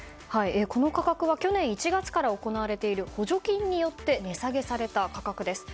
この価格は去年１月から行われている補助金によって値下げされた価格です。